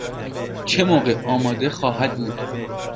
چه موقع آماده خواهد بود؟